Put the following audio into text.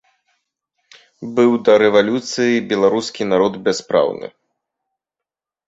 Быў да рэвалюцыі беларускі народ бяспраўны.